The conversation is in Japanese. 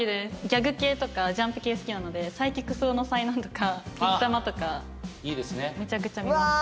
ギャグ系とか『ジャンプ』系好きなので『斉木楠雄のΨ難』とか『銀魂』とかめちゃくちゃ見ます。